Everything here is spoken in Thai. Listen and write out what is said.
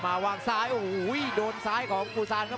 หัวจิตหัวใจแก่เกินร้อยครับ